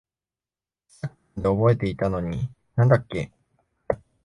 さっきまで覚えていたのに何だっけ？